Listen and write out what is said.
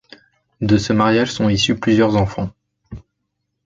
De ce mariage sont issus plusieurs enfants.